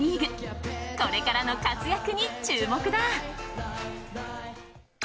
これからの活躍に注目だ。